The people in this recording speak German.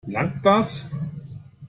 Langt das?